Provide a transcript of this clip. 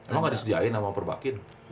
emang gak disediain sama perbakin